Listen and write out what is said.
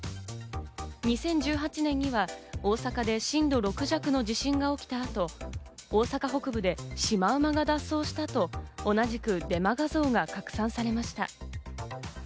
２０１８年には大阪で震度６弱の地震が起きた後、大阪北部でシマウマが脱走したと同じくデマ画像が拡散されました。